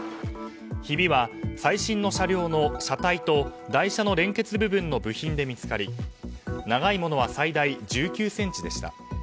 ひびは最新の車両の車体と台車の連結部分の部品で見つかり長いものは最大１９ｃｍでした。